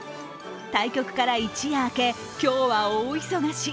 対局から一夜明け、今日は大忙し。